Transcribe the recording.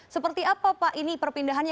seperti apa pak ini perpindahannya